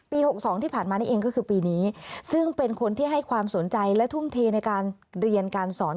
๖๒ที่ผ่านมานี่เองก็คือปีนี้ซึ่งเป็นคนที่ให้ความสนใจและทุ่มเทในการเรียนการสอน